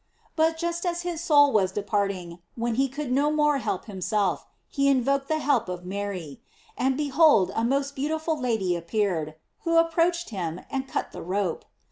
But just as his soul was departing, when he could no more help himself, he invoked the help of Mary; and behold a most beautiful lady ap peared, who approached him and cut the rope.